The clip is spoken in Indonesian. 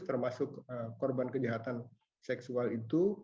termasuk korban kejahatan seksual itu